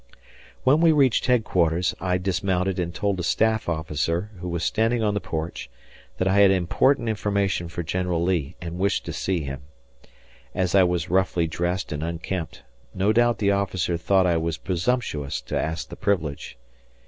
When we reached headquarters, I dismounted and told a staff officer, who was standing on the porch, that I had important information for General Lee and wished to see him. As I was roughly dressed and unkempt, no doubt the officer thought I was presumptuous to ask the privilege.